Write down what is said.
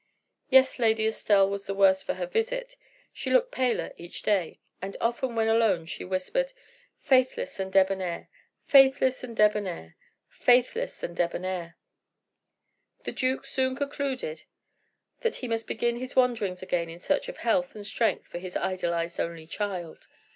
Yes, Lady Estelle was the worse for her visit. She looked paler each day, and often when alone she whispered: "Faithless and debonair faithless and fair; faithless and debonair!" The duke soon concluded that he must begin his wanderings again in search of health and strength for his idolized only child.